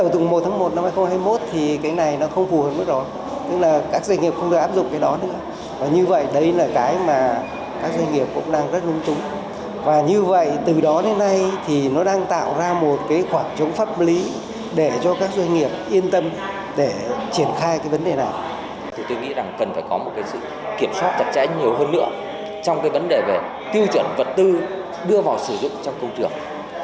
tuy nhiên các chuyên gia chia sẻ về tiêu chuẩn vật tư đưa vào sử dụng trong công trường